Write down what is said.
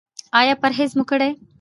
ایا پرهیز مو کړی دی؟